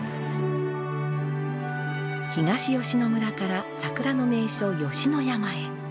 東吉野村から桜の名所吉野山へ。